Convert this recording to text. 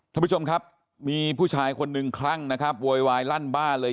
ท่านผู้ชมครับมีผู้ชายคนหนึ่งคลั่งนะครับโวยวายลั่นบ้านเลย